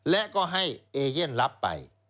และก็ให้เอเย่นรับไป